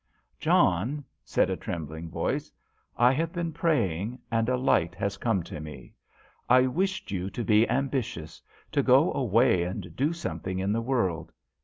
" John," saida trembling voice, "I have been praying, and a light has come to me. I wished you to be ambitious to go away and do something in the world.